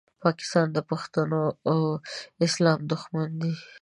پاکستان د پښتنو او اسلام دوښمن دی